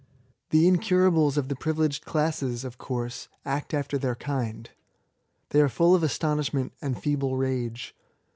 The incurables of the privileged classes of course act after their kind. They are full of astonishment and feeble rage.